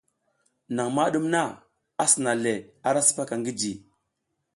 Naƞ ma ɗum na, a sina le ara sipaka ngi ji.